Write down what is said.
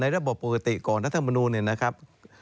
ในระบบปกติก่อนรัฐธรรมนูนี่นะครับ